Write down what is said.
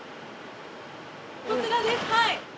こちらですはい。